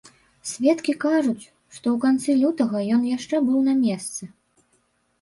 Сведкі кажуць, што ў канцы лютага ён яшчэ быў на месцы.